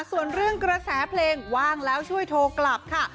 ส่วนเรื่องกระแสเพลงว่างแล้วช่วยโทรกลับค่ะ